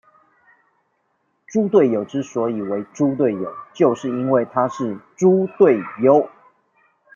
豬隊友之所以為豬隊友，就是因為他是豬隊友